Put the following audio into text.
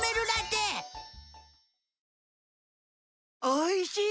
おいしい！